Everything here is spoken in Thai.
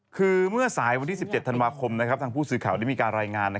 คือเมื่อสายวันที่๑๗ธันวาคมทางผู้สื่อข่าวได้มีการรายงาน